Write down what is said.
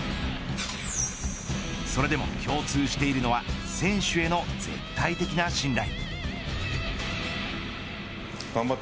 それでも共通しているのは選手への絶対的な信頼。